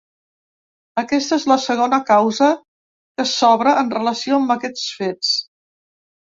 Aquesta és la segona causa que s’obre en relació amb aquests fets.